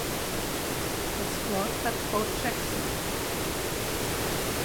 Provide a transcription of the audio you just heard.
Das Wort hat Frau Jackson.